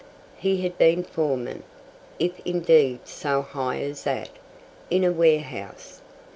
He had been foreman, if indeed so high as that, in a warehouse.